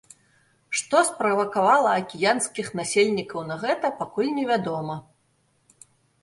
Што справакавала акіянскіх насельнікаў на гэта, пакуль не вядома.